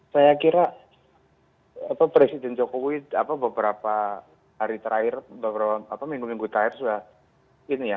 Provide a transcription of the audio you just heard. saya kira presiden jokowi beberapa hari terakhir beberapa minggu minggu terakhir sudah ini ya